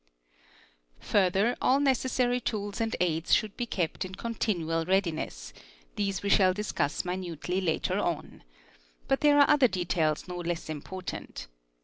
Further all necessary tools and aids should be kept in continual SEE readiness ; these we shall discuss minutely later on. But there are other details no less important.